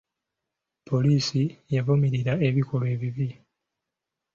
Poliisi yavumirira ebikolwa ebibi.